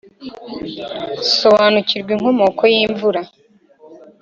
Sobanura inkomoko y’imvura.